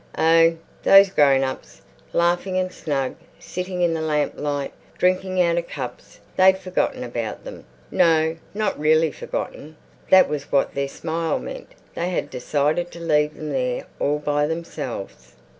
Oh, those grown ups, laughing and snug, sitting in the lamp light, drinking out of cups! They'd forgotten about them. No, not really forgotten. That was what their smile meant. They had decided to leave them there all by themselves.